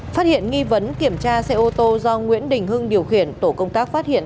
phát hiện nghi vấn kiểm tra xe ô tô do nguyễn đình hưng điều khiển tổ công tác phát hiện